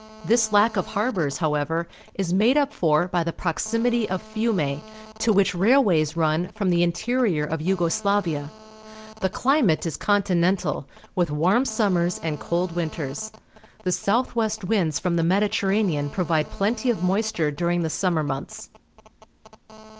This lack of harbours, however, is made up for by the proximity of Fiume, to which railways run from the interior of Yugo Slavia. The climate is continental, with warm summers and cold winters. The south west winds from the Mediterranean provide plenty of moisture during the summer months.